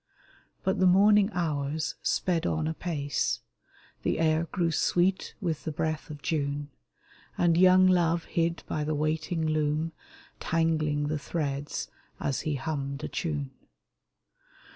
But the morning hours sped on apace ; The air grew sweet with the breath of June ; And young Love hid by the waiting loom, Tangling the threads as he hummed a tune.